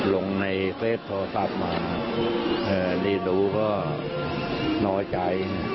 ลงในเฟสโทรศัพท์มาได้ดูก็น้อยใจ